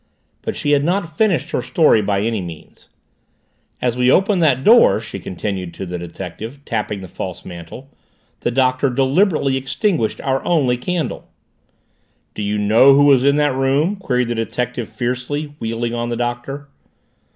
But she had not finished her story by any means. "As we opened that door," she continued to the detective, tapping the false mantel, "the Doctor deliberately extinguished our only candle!" "Do you know who was in that room?" queried the detective fiercely, wheeling on the Doctor.